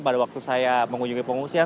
pada waktu saya mengunjungi pengungsian